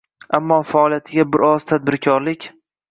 ammo faoliyatiga bir oz tadbirkorlik